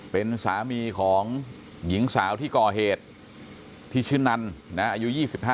เป็นสามีของหญิงสาวที่ก่อเหตุที่ชื่อนันอายุ๒๕